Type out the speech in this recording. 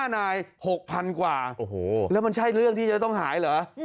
๕นาย๖๐๐๐กว่าแล้วมันใช่เรื่องที่จะต้องหายเหรอ